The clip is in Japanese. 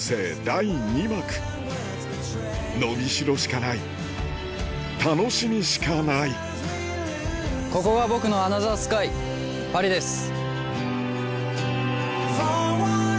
第二幕伸び代しかない楽しみしかないここが僕のアナザースカイパリです。